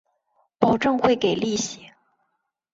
保证会给利息